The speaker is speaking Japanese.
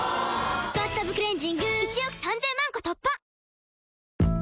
「バスタブクレンジング」１億３０００万個突破！